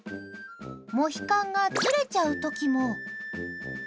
モヒカンがずれちゃう時も。